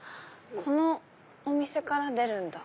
このお店から出るんだ。